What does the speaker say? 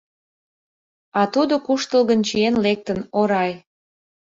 А тудо куштылгын чиен лектын, орай.